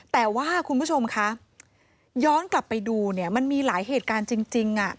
แต่ว่าคุณผู้ชมคะย้อนกลับไปดูเนี่ยมันมีหลายเหตุการณ์จริง